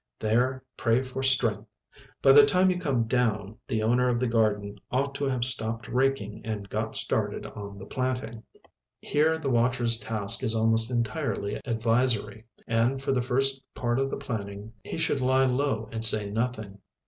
There pray for strength. By the time you come down, the owner of the garden ought to have stopped raking and got started on the planting. Here the watcher's task is almost entirely advisory. And, for the first part of the planting, he should lie low and say nothing.